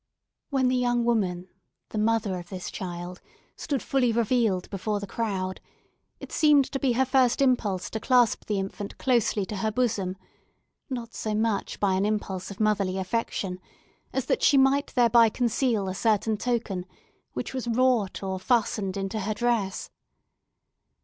When the young woman—the mother of this child—stood fully revealed before the crowd, it seemed to be her first impulse to clasp the infant closely to her bosom; not so much by an impulse of motherly affection, as that she might thereby conceal a certain token, which was wrought or fastened into her dress.